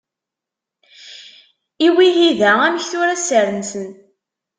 I wihida amek tura sser-nsen.